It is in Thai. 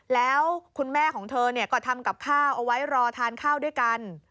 แล้วคุณแม่ของเธอก็ทำกับข้าวเอาไว้รอทานข้าวด้วยกัน